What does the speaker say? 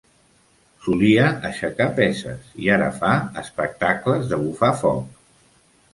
Solia aixecar peses i ara fa espectacles de bufar foc.